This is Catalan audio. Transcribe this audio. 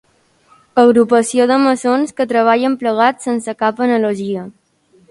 Agrupació de maçons que treballen plegats sense cap analogia.